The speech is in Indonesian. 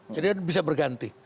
jadi bisa berganti